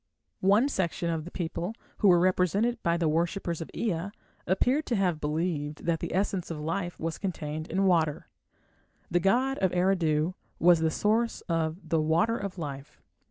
One section of the people, who were represented by the worshippers of Ea, appear to have believed that the essence of life was contained in water. The god of Eridu was the source of the "water of life".